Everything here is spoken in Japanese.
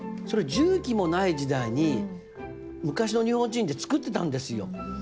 それ重機もない時代に昔の日本人って造ってたんですよ。